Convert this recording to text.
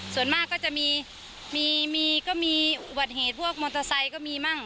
ส่วนมากก็จะมีมีอุบัติเหตุพวกมอเตอร์ไซค์ก็มีมั่ง